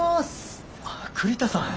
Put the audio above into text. ああ栗田さん。